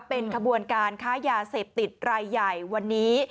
เป็นขบวนการค้ายาเสพติดรายใหญ่วันนี้